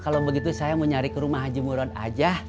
kalau begitu saya mau nyari ke rumah jemuran aja